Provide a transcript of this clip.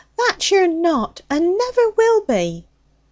'That you're not, and never will be.'